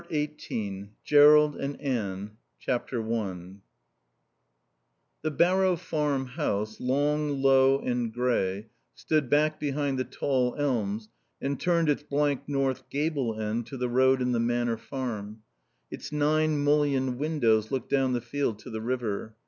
Even if XVIII JERROLD AND ANNE i The Barrow Farm house, long, low and grey, stood back behind the tall elms and turned its blank north gable end to the road and the Manor Farm. Its nine mullioned windows looked down the field to the river.